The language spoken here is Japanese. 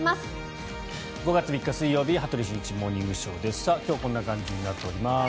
５月３日、水曜日「羽鳥慎一モーニングショー」。今日はこんな感じになっております。